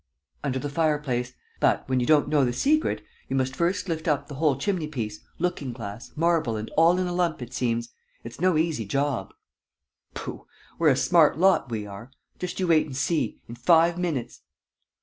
"Under the fireplace. But, when you don't know the secret, you must first lift up the whole chimneypiece, looking glass, marble and all in a lump, it seems. It's no easy job." "Pooh, we're a smart lot, we are! Just you wait and see. In five minutes